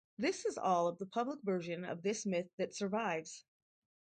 This is all of the public version of this myth that survives.